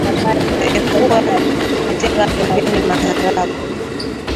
Epua na tenga pembeni maharage